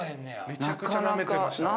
めちゃくちゃなめてました。